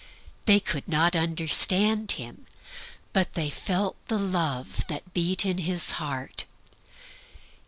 They could not understand him; but they felt the love that beat in his heart.